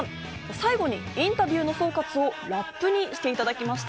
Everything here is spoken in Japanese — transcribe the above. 最後にインタビューの総括をラップにしていただきました。